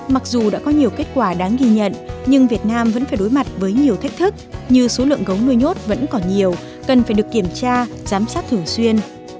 mặc dù đã có nhiều kết quả đáng ghi nhận nhưng việt nam vẫn phải đối mặt với nhiều thách thức như số lượng gấu nuôi nhốt vẫn còn nhiều cần phải được kiểm tra giám sát thường xuyên